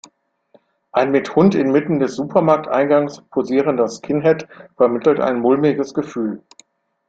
Ein mit Hund inmitten des Supermarkteingangs posierender Skinhead vermittelt ein mulmiges Gefühl.